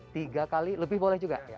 tiga kali lebih boleh juga